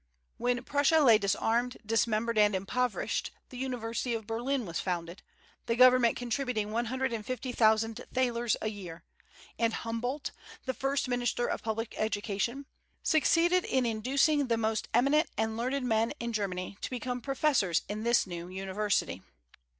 When Prussia lay disarmed, dismembered, and impoverished, the University of Berlin was founded, the government contributing one hundred and fifty thousand thalers a year; and Humboldt the first minister of public instruction succeeded in inducing the most eminent and learned men in Germany to become professors in this new university.